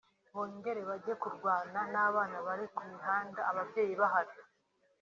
bongere bajye kurwana n’abana bari ku mihanda ababyeyi bahari